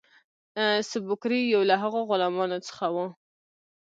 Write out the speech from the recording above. سُبکري یو له هغو غلامانو څخه وو.